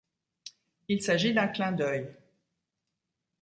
Il s'agit d'un clin d'œil.